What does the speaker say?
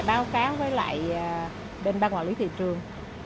báo cáo với lại bên ban quản lý thị trường